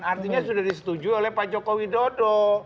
artinya sudah disetujui oleh pak jokowi dodo